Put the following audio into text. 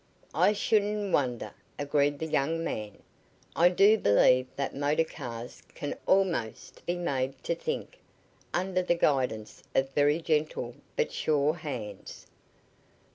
"I shouldn't wonder," agreed the young, man. "I do believe that motor cars can almost be made to think under the guidance of very gentle but sure hands."